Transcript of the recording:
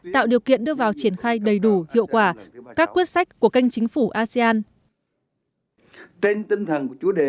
tạo điều kiện đưa vào triển khai đầy đủ hiệu quả các quyết sách của kênh chính phủ asean